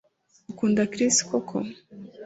Ukunda Chris koko